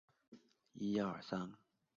石貂为鼬科貂属的动物。